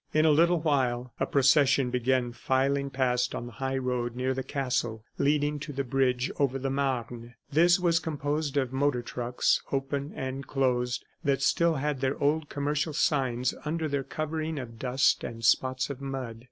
In a little while a procession began filing past on the high road near the castle, leading to the bridge over the Marne. This was composed of motor trucks, open and closed, that still had their old commercial signs under their covering of dust and spots of mud.